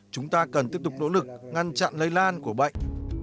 chúng ta cần tiếp tục nỗ lực ngăn chặn lây lan của bệnh